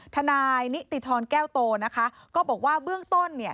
นายนิติธรแก้วโตนะคะก็บอกว่าเบื้องต้นเนี่ย